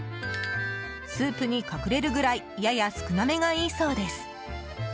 スープに隠れるぐらいやや少なめがいいそうです。